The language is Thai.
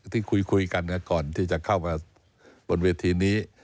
ที่คุยกันก่อนที่จะเข้ามาบนเวทีนี้